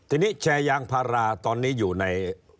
ทีนี้แชร์ยางพาราตอนนี้อยู่ใน